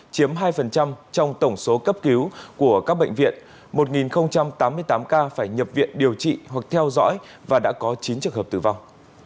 chiếm hai trong tổng số cấp cứu của các bệnh viện một tám mươi tám ca phải nhập viện điều trị hoặc theo dõi và đã có chín trường hợp tử vong